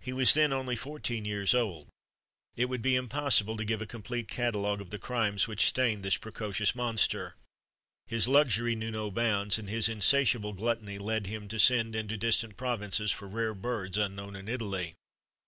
He was then only fourteen years old. It would be impossible to give a complete catalogue of the crimes which stained this precocious monster. His luxury knew no bounds, and his insatiable gluttony led him to send into distant provinces for rare birds, unknown in Italy.